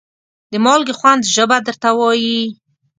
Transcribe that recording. د مالګې خوند ژبه درته وایي.